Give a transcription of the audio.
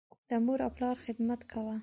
د مور او پلار خدمت کوه.